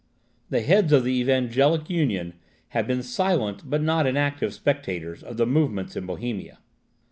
The heads of the Evangelic Union had been silent but not inactive spectators of the movements in Bohemia.